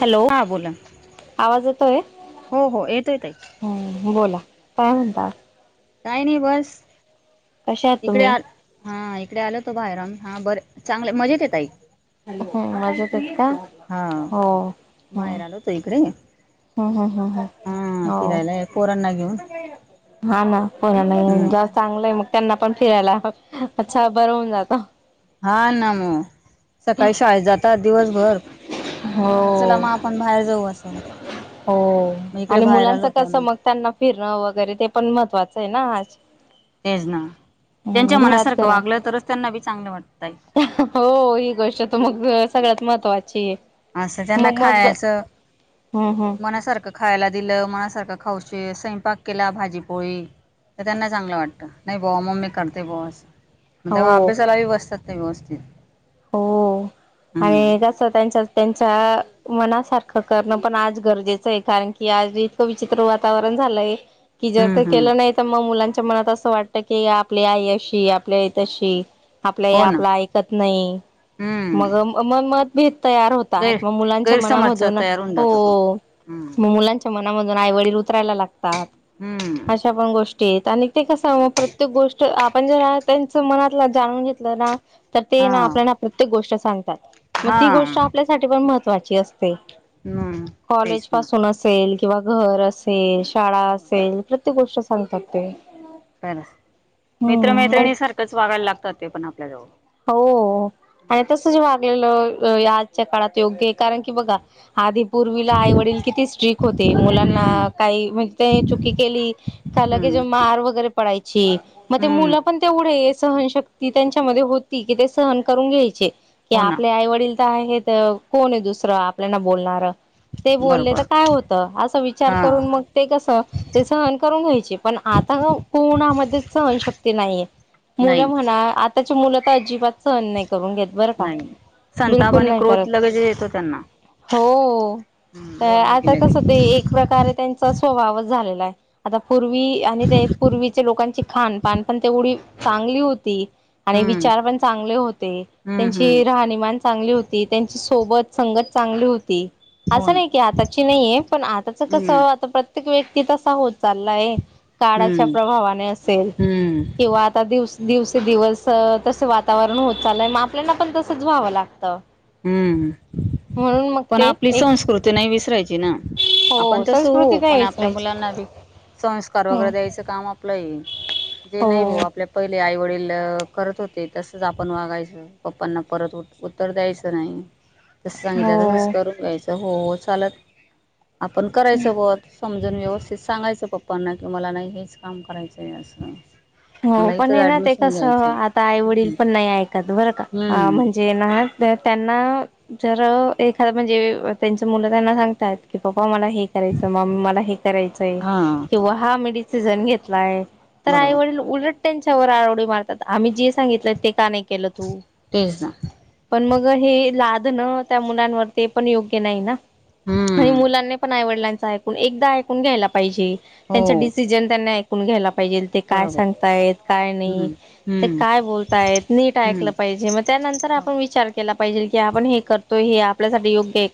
Hello हा बोला आवाज येतोय हो हो येतोय ताई हुं बोला. काय म्हणता. काही नाही बस कशा आहात इकडे तुम्ही आ हा इकडे आलो होतो बाहेरून हा बर चांगले मजेत आहे ताई. ह माझे त का हा हो हम बाहेर आलो तो इकडे हम्म हम्म हम् ह हा हो फिरायला पोरांना घेऊन हा ना पुन्हा नाही हम्म जा चांगलंय मग त्यांना पण फिरायला अच्छा बर होऊन जात. हा ना म सकाळी शाळेत जातात दिवसभर मम्मी हो म्हणा चला मग आपण बाहेर जाऊ असं. हो मग इकडे आणि बाहेर मुलांच आलो होतो कसं आम्ही मग त्यांना फिरणं वगैरे ते पण महत्त्वाचं आहे ना आज तेच ना हम्म त्यांच्या घरात मनासारखं वागलं घरात तरच त्यांना बी चांगलं वाट हो ही गोष्ट तर मग सगळ्यात महत्त्वाची आहे. असं त्यांना मग मग खायाचं हम्म हम्म मनासारखं खायला दिलं मनासारखं खाऊशे स्वयंपाक केला भाजीपोळी तर त्यांना चांगलं वाटतं नाही बोवा मम्मी करते बोवा असं. मग तेव्हा हो अभ्यासालाही बसतात नाही व्यवस्थित. हो हम्म आणि कस त्यांच्यात त्यांच्या मनासारखं करणं पण आज गरजेचं आहे कारण की आज इतकं विचित्र वातावरण झालय की जर हम्म ते हम्म केल नाही तर मग मुलां च्या मनात असं वाटत की आपली आई अशी आपली आई तशी आपली आई हो ना आपल ऐकत नाही हम्म मग मग मत भी तयार होतात गैर मग मुलांच्या गैरसमजचा मनामधून तयार होऊन हो जातो तो हम्म मग मुलांच्या म आईवडील उतरायला लागतात हम्म अशा पण गोष्टी आणि ते कस मग प्रत्येक गोष्ट आपण जर त्यांच मनातला जाणून घेतलं ना तर ते हा ना आपल्याला प्रत्येक गोष्ट सांग मग हा ती गोष्ट आपल्यासाठी पण महत्त्वाची असते. हम्म कॉलेज तेच ना पासून असेल किंवा घर असेल, शाळा हो असेल प्रत्ये गोष्ट सांगतात ते. खर मित्र हम्म मैत्रिणी सारखंच वागायला लागतात ते पण आपल्याजवळ. हो आणि तस जेव्हा वाग आजच्या काळात योग्य आहे कारण की बघा आधी पूर्वीला आईवडील किती स्ट्रीक होते मुलांना हम्म काही म्हणजे चुकी केली का लेच हम्म मार वैगरे पडायची मग ते हम्म मुल पण तेवढे सहनशक्ती त्यांच्या कि ते सहन करून घ्यायचे की हो ना आपले आई वडील आहे कोण आहे दुसरं आपल्याला बोलणार ते बोलले बरोबर तर काय होत असं विचार हा करून मग ते कस ते सहन करून घ्यायचे ण आता कोणामध्ये सहशक्ती नाही नाही मुलं म्हणा आताच्या मु अजिबात सहन नाही करून घेत बरं का नाही संताप बिलकुल आणि नाही करत क्रोध लगेच येतो त्यांना. हो हम्म तर बोललं की आता कस ते लगेच. एक प्रकारे त्यांच स्वभावच झालेला आहे आता पूर्वी आणि ते पूर्वीच्या लोकांची खानपान पण तेवढी चांगली होती. हम्म चार पण चांगले होते हम्म हम्म त्यांची राहनीमान चांगली होती त्यांची स्वः सोबत संगत चांगली होती. हो असं ना नाही की आताची नाहीये पण आताच कस हम्म आता प्रत्येक व्यक्ती तसा होत चाललाय काळाच्या हम्म प्रभावाने असेल हम्म किंवा आता दिवसा दिवसे दिवस तस वातावरण होत चाललय मग आपल्याना पण तसंच व्हावं लागतं. हम्म म्हणून मग पण ते आपली एक संस्कृती नाही विसरायची ना. आपण हो तस संस्कृती हो नाही पण आपल्या विसरायची. मुलांना संस्कार वगैरे हम्म. द्यायचं काम आपलंय जे हो नाही भाऊ आपल्या पहिले आई वडील करत होते तसच आपण वागायचं पप्पांना परत उ उत्तर द्यायचं नाही जस सांगितलं तस हो. करून घ्यायचं हो हो चालत आपण करायच सोबत समजून व्यवस्थित सांगायचं पप्पांना कि मला नाही हेच काम करायचंय असं हो मला पण इथंच हे ना ते ऍडमिशन कस घ्यायचंय आता आई वडील हम्म पण नाही ऐकत बरं का हम्म म्हणजे ना त्या जर एखादा म्हणजे त्यांच मुलं त्यांना सांगतात की पप्पा प्पा मला हे करायचं मम्मी मला हे करायचंय हा किं हा मी डिसिजन घेतलाय तर आई बरोबर वडील उलट त्यांच्यावर आळवडी मारतात आम्ही जे सांगितलं ते का नाही केलं तू तेच ना पण मग हे लादण त्या मुलांवरती पण योग्य नाही ना आणि हम्म मुलांनी पण आई व एकदा ऐकुन घ्यायला पाहिजेल त्यांच हो डिसिजन ते काय बरोबर सांगताय काय नाही हम्म ते हम्म काय बोलताय नीट हम्म ऐकलं पाहिजे मग त्यानंतर हो आपण विचार केला पा पाहिजेल की आपण हे करतोय हे आपल्यासाठी योग्य आहे की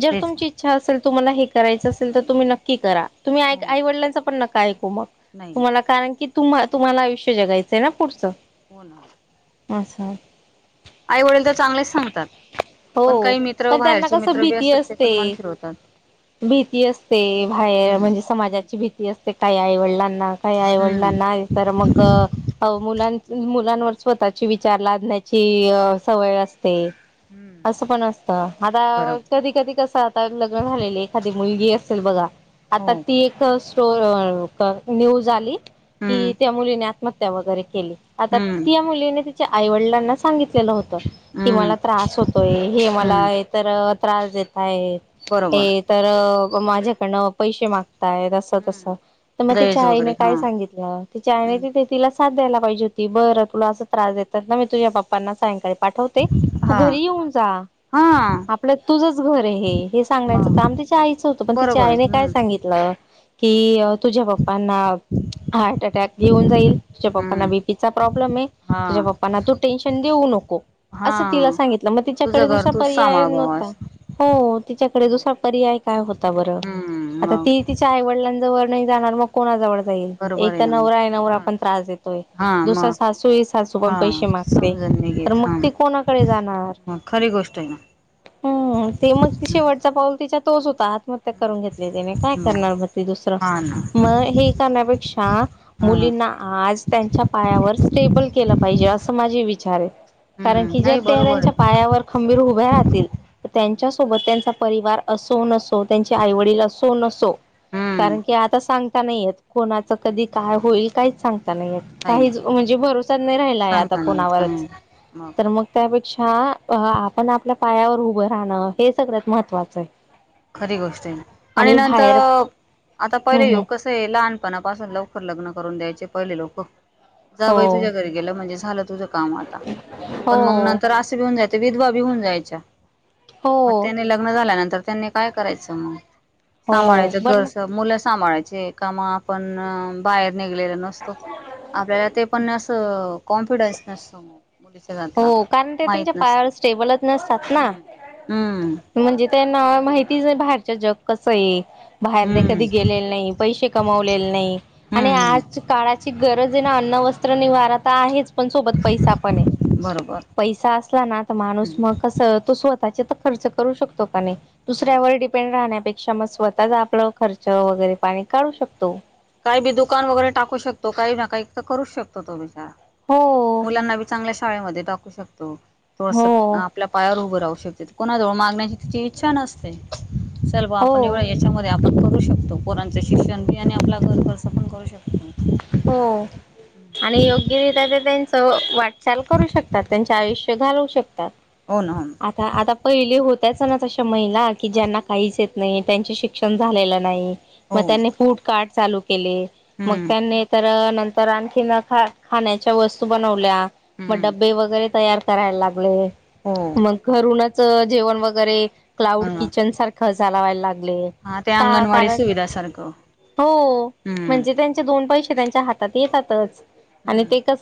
जर तेच ना तुमची इच्छा असेल तुम्हाला हे करायचं असेल तर तुम्ही नक्की करा. तुम्ही आइ हो आई वडिलांचं पण नका ऐकू मग नाही नाही तुम्हाला कारण की तुम तुम्हाला आयुष्य जगायचंय ना पुढचं हो ना. आसा. आई वडील तर चांगलेच सांगतात. पण हो काही मित्र पण त्यांना बाहेरचे कसं मित्र बी भीती असतात ते पण मन असते. फिरवतात. भीती असते बाहेर हम्म म्हणजे हम्म समाजाची भीती असते काही आईवडलांना काही आईवड हम्म लांनाय तर मग अ मुलांच मुलांवर स्वतःची विचार लादण्याची सवय असते. हम्म असं पण असतं आता बरोबर कधी कधी कसं आता लग्न झालेले एखादी मुलगी असेल बघा. हो आता ती एक [unintelligible] न्यूज आली हम्म कि त्या मुलीने आत्महत्या वगैरे केली. आता हम्म त्या मुलीने तिच्या आईवडिलांनाच सांगितलेलं होत की हम्म मला त्रास होतोय हे मला हम्म एतर त्रास देतायत. बरोबर हे तर माझ्याकनं पैसे माग तायत अस तस हम्म त मग तिच्या दहेज आईने वगैरे हा काय सांगितलं तिच्या आईनं तिथ तिला साथ द्यायला पाहिजे होती बरं तुला अस त्रास देतायत ना मी तुझ्या पप्पांना सांगाय पाठवते तू हा घरी येऊन जा. हा आपलं तुझच घर हे हे सांगण्यायचं काम मग तिच्या आईचं होतं पण तिच्या बरोबर आहे आईने काय हम्म सांगितलं कि तुझ्या पप्पांना हार्ट अटॅक घेऊन जाईल तुझ्या पप्पांना हम्म बीपीचा प्रॉब्लेम आहे हा तुझ्याप्पाांना तू टेन्शन देऊन नको हा अस तिला सांगितलं मग तुझं तिच्याकडे घर दुसरा तूच पर्याय सांभाळ बुवा नव्हता. असं हो तिच्याकडे हम्म दुसरा पर्याय काय होता बरं हम्म आता ती मग तिच्या आईवडिलांजवळ नाही जाणार मग कोणाजवळ जाईल. बरोबर एक आहे तर ना मग नवरा हे नवरा हा पण त्रास देतोय हा दुसर मग सासू हे सासू पण हा पैसे मागते समजून तर मग ती कोणाकडे जाणार. ह खरी गोष्टय हा. हम्म ते मग ती शेवटचा पाऊल तिचा तोच होता आत्हत्या हम्म करून घेतली तने काय मग करणार म ती दुसरं हा ना मग हे करण्यापेक्षा आ हा मुलींना आज त्यांच्या पायावर स्टेबल केलं पाहिजे असं माझे विचार हे. कारण हम्म की जर नाही त्या बरोबर त्यांच्या आहे पायावर खंबीर उभ्या राहतील तर हम्म त्यांच्यासोबत त्यांचा परिवार असो नसो त्यांचे आईवडील असो नसो हम्म कारण की आता सांग का नाहीयेत कोणाच नाही कधी काय होईल काइच सांग ता नाहीयेत, नाही नाही काहीच म्हणजे भरोसाच नाई राहिलाय आता सांगता नाही येत कोणावरच. हं तर मग त्यापेक्षा आ आपण आपल्या पायावर उभं राहणं, हे सगळ्यात महत्त्वाचं आहे. खरी गोष्ट हाय, आणि नंतर आता हम्म पहिले हम्म लोक कसय लहानपणा पासून लवकर लग्न करून द्यायचे पहिले लोक जा बाई हो तुझ्या घरी गेलं म्हणजे झालं तुझं काम आता हो पण मग नंतर असं भी होऊन जायच विधवा भी होऊन जायच्या. हो मग त्यानी लग्न झाल्यानंतर त्यांनी काय करायचं? मग हो सांभाळायचं पण मग घरस मुल सांभळाय का म आपण बाहेर निघलेल नसतो आपल्याला ते पण अस कॉन्फिडन्स नसतो मग. मुलीच्या जातला हो कारण ते त्यांच्या माहित नसतं पायावर स्टेबलच नसतात ना. हम्म हम्म म्हणजे त्यांना माहितीच नाय बाहेरच जग कसय. बाहेर ते कधी हम्म गेलेले नाई पैसे कमवलेले नाई आणि हम्म आज हम्म काळाची गरज आहे ना अन्न न्न वस्त्र निवारा तर आहेच पण सोबत पैसा पण ये. बरोबर पैसा असला ना तर माणूस मग हम्म कस तो स्वतःचे तर खर्च करू शकतो का नाही. मग दुसऱ्यावर डिपेंड राहण्यापेक्षा मग स्वतःच आपलं खर्च वगैरे पाणी काढू शकतो. काही बी दुकान वगैरे टाकू शकतो काही ना काही तर करूच शकतो तोभी हो मुलांना बी चांगल्या शाळेमध्ये टाकू शकतो. थोडस हो आपल्या पायावर उभं राहू शकतेत, कोणाजवळ मागण्याची तची इच्छा नसते. चल बा आपण हो एवढं याच्यामध्ये आपण करू शकतो पोरांच शिक्षणी आणि आपल्या खर्च पण करू शकतो. हो आणि योग्य रित्या ते त्यांच वाट चाल करू शकतात त्यांचे आयुष्य घालऊ शक तात. हो ना हो ना आता आता पहिले होतच ना तशे महिला की ज्यांना काहीच येत नाही, त्यांचे शिक्षण झालेलं नाही मग हो त्यांनी फूड काट चालू केले मग हम्म त्यांनी तर नंतर आणखीन ख खाण्याच्या वस्तू बनवल्या मग हम्म डबे वगैरे तयार करायला लागले, हो मग घरूनच जेवण वगैरे हो क्लाउड ना किचन सारखं झाला वाला ले, हा ते अंगणवाडी सुविधा सारखं हो हम्म म्हणजे त्या पैसे त्यांच्या हातात येतातच, आणि हम्म ते कस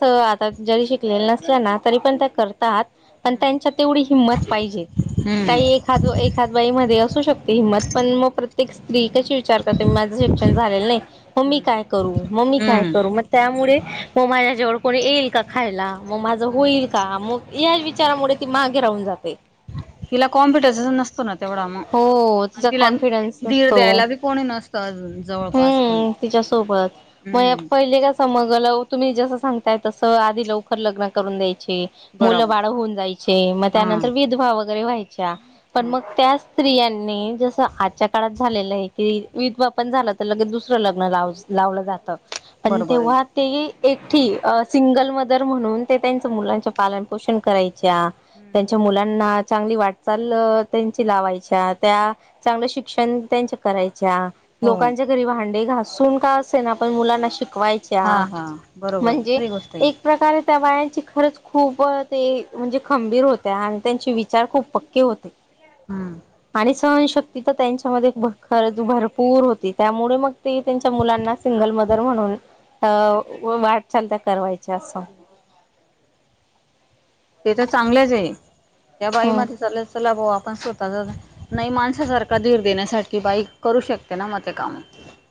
जरी शिकलेल्या नसल्या ना तरी पण त्या करतात, पण हम्म त्यांच्या तेवढी हिंमत पाहिजे. हम्म काही एखाद एखाद बाईमध्ये असू शकते हिंमत पण मग प्रत्ये क स्त्री कशी विचार करते माझं शिक्षण झालेलं नाही मग मी काय करू मम्मी काय हम्म करू मग हम्म त्यामुळे म मा्या जेवळ कोणी येईल का खायला! मग माझं हम्म होईल का मग या विचारामुळे ती मागे राहून जाते. हिला कॉन्फिडन्स नसतना तेवढा मग! हो आणि तिचा तिला कॉन्फिडन्स धीर नसतो. द्यायला बी कोणी नसतं अजून जवळपास कोणी. हम्म हम्म पहिले कस मग तुम्ही जसं सांगताय तसं आधी लवकर लग्न करून द्याय चे मुलं बरोबर बाळ होऊन जायचे, मग हा त्यानंतर विधवा वगैरे व्हायच्या पण मग त्या स्त्रियांनी जसं आजच्या काळात झालेलं आहे की विधवा पण झालं तर लगेच दुसरं लग्न लावयच. लावलं जात पण बरोबर आहे तेव्हा ते एकटी सिंगल मदर म्हणून ते त्यांच मुलांचे पालनपोषण कराय- च्या हम्म त्यांच्या मुलांना चांगली वाटचाल त्यांची लावायच्या त्या चांगलं शिक्षण त्यांचे करायच्या. हो लोकांच्या घरी भांडे घासून का असे ना पण मुलांना शिक वायच्या हा हा बरोबर आहे म्हणजे, खरी गोष्ट आहे एक प्रकारे त्या बायांची खरच खूप ते म्हणजे खंबीर होत्या आणि त्यांचे विचार खूप पक्के होते. हम्म आणि सहनशक्ती तर त्यांच्यामध्ये भ खर भरपूर होते त्यामुळे मग ते त्यांच्या मुलांना सिंगल मदर म्हणून अ वाट चालत करवायच्या असं ते तर चांगल्याच आहे त्या हम्म बाईमध्ये चला चला भाऊ आपण स्वतःचा नाही माणसासारखा धीर देण्यासाठी बाईक करू शकते ना मते कामे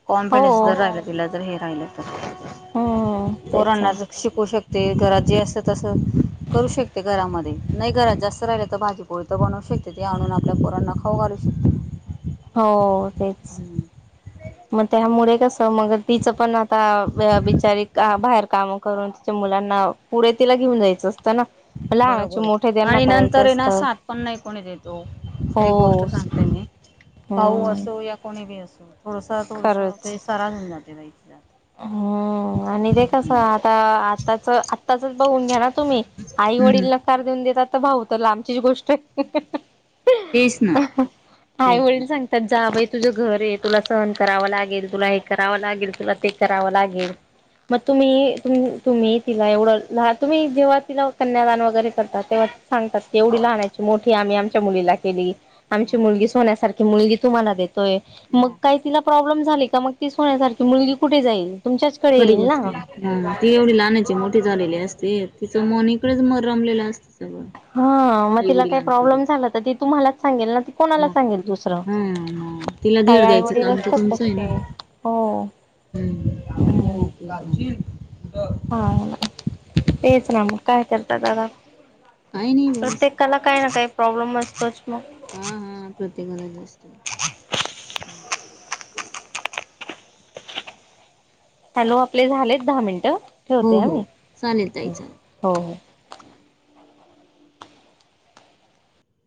कॉन्फिडन्स हो जर राहिला तला तर हे राहिलं हम्म तर तेच ना कोरांनाच शिकू शक ते घर जे असतं तसं करू शकते घरामध्ये नाही घरात जास्त राहिले तर भाजीपोळी तर बनवू शकते ते आणून आपल्या पोरांना खाऊ घालू शकते हो तेच शकते मग त्या मु कस मग तिचं पण आता बिचारी बाहेर कामं करून त मुलांना पुढे तिला घेऊन जायचं असतं ना लहानाचे बरोबर मोठे त्यांना आणि करायचं नंतर ये ना असतं सात पण नाही कोणी द येतो एक गोष्ट हो सांगते मी भाऊ हम्म असो या कोणी बी असो थोडसा थोडसा खरंच ते सरा नऊ जातेहिला हम्म आणि ते कस आता आताच आताच बघून घ्या ना तुम्ही आई हम्म वडीललाकार देऊन देतता तर भाऊत ला आंबचीच गोष्ट आहे तेच ना ते आई वडील सांगतात जाव तुझं घर आहे तुला सहन करावं लागेल तुला हे करावं लागेल तुला ते करावं लागेल मग तुम्ही तुम्ही तिला एवढं लान तुम्ही जेव्हा तिला कन्यादान वगैरे करता तेव्हा सांगतात तेवढी लहण्याची मोठी आम्ही आमच्या मुलीला केली आमची मग मुलगी सोन्यासारखी की मुलगी तुम्हाला देतोय मग काही तिला प्रॉब्लेम झाली का मग ती सुण्यासारखी मुलगी कुठे जाईल तुमच्याचकडे परी येईल ना गोष्टी ती एवढी लहानाची मोठी झालेली अस ते तिचं मोनकडेच मर रमलेलं असतं सगळं ह मग आई तिला काही वडिलांकडे प्रॉब्लेम झाला तर ती तुम्हांलाच सांगेल ना ते कोणाला मग सांगेल दुसरं हा म तिला काही धीर द्यायचं आईवडील काम तर असतात तुमचं आहे ना. तशे हो हम्म भुक लागली च हा तेच नां म काय करता दादा काही नाही बस प्रत्येकाला काही ना काही प्रॉब्लेम असतोच मग हा हा प्रत्येकाला जास्त हॅलो आपले झालेत दहा मिंट ठेवते हो हो आम्ही चालेल ताई हो चालेल. हो हो